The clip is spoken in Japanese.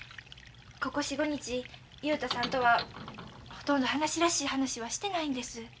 ここ４５日雄太さんとはほとんど話らしい話はしてないんです。